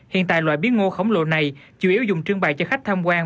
hiện tại loại bí ngô khổng lồ này chủ yếu dùng trưng bày cho khách tham quan